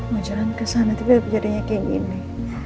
mau jalan ke sana tiba tiba jadinya kayak gini